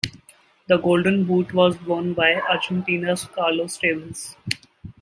The Golden Boot was won by Argentina's Carlos Tevez.